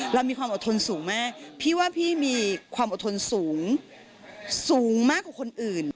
เรามีความอดทนสูงมากพี่ว่าพี่มีความอดทนสูงสูงมากกว่าคนอื่น